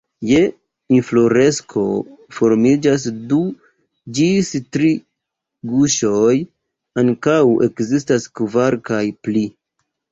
Je infloresko formiĝas du ĝis tri guŝoj, ankaŭ ekzistas kvar kaj pli.